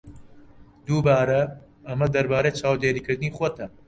دووبارە، ئەمە دەربارەی چاودێریکردنی خۆتە.